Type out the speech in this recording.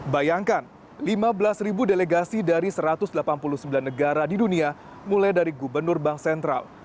bayangkan lima belas delegasi dari satu ratus delapan puluh sembilan negara di dunia mulai dari gubernur bank sentral